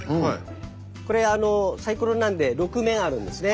これサイコロなんで６面あるんですね。